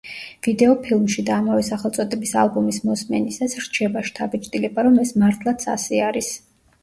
ვიდეოფილმში და ამავე სახელწოდების ალბომის მოსმენისას, რჩება შთაბეჭდილება, რომ ეს მართლაც ასე არის.